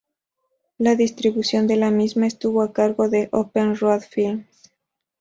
La distribución de la misma estuvo a cargo de Open Road Films.